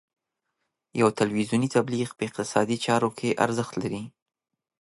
یو تلویزیوني تبلیغ په اقتصادي چارو کې ارزښت لري.